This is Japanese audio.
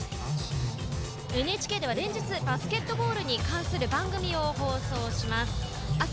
ＮＨＫでは連日バスケットボールに関する番組を放送します。